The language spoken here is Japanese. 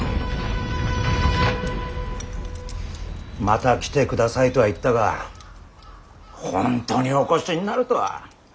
また来てくださいとは言ったが本当にお越しになるとは。